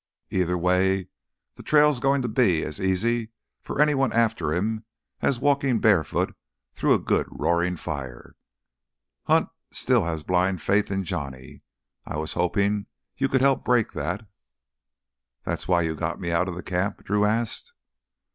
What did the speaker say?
Either way that trail's going to be as easy for anyone after him as walking barefoot through a good roaring fire! Hunt still has blind faith in Johnny.... I was hoping you could help break that." "That why you got me out of the camp?" Drew asked.